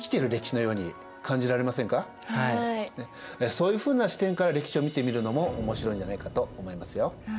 そういうふうな視点から歴史を見てみるのも面白いんじゃないかと思いますよ。